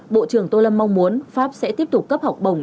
bộ trưởng tô lâm mong muốn pháp sẽ tiếp tục cấp học bổng